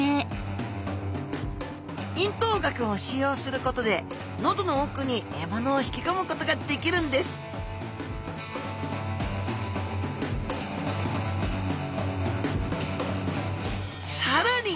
咽頭顎を使用することで喉の奥に獲物を引きこむことができるんですさらに